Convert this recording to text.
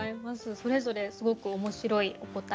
それぞれすごく面白いお答え。